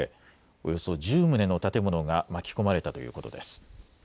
およそ１０棟の建物が巻き込まれたということです。